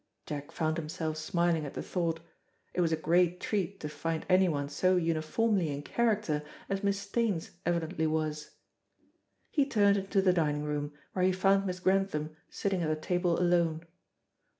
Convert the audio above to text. Jack found himself smiling at the thought; it was a great treat to find anyone so uniformly in character as Miss Staines evidently was. He turned into the dining room, where he found Miss Grantham sitting at the table alone.